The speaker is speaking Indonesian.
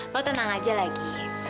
lo tenang aja lagi